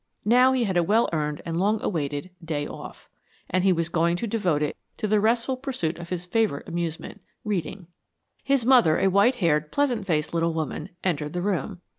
Now he had a well earned and long awaited "day off," and he was going to devote it to the restful pursuit of his favorite amusement reading. His mother, a white haired, pleasant faced little woman, entered the room.